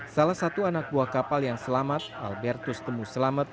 salah satu anak buah kapal yang selamat albertus temuselamet